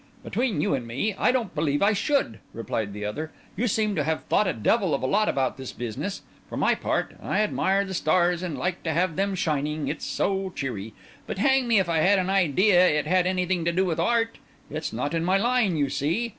"Between you and me, I don't believe I should," replied the other. "You seem to have thought a devil of a lot about this business. For my part, I admire the stars, and like to have them shining—it's so cheery—but hang me if I had an idea it had anything to do with art! It's not in my line, you see.